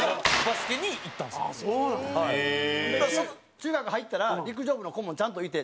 中学入ったら陸上部の顧問ちゃんといて。